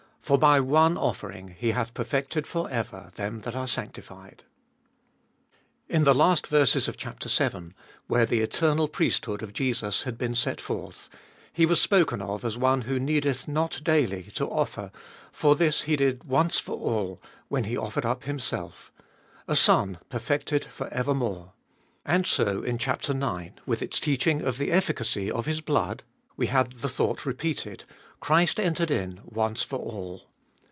14. For by one offering he hath perfected for ever them that are sanctified. IN the last verses of chap, vii., where the eternal priesthood of Jesus had been set forth, He was spoken of as one who needeth not daily to offer, for this He did once for all, when He offered up Himself — a Son, perfected for evermore. And so in chap, ix., with its teaching of the efficacy of His blood, we had the thought repeated, Christ entered in once for all.